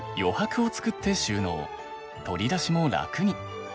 取り出しも楽に。